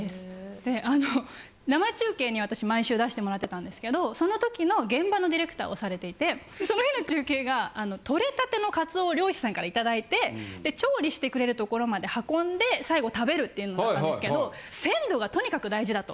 であの生中継に私毎週出してもらってたんですけどその時の現場のディレクターをされていてその日の中継が獲れたての鰹を漁師さんからいただいて調理してくれる所まで運んで最後食べるっていうのだったんですけど鮮度がとにかく大事だと。